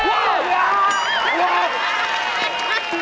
ถูกกว่า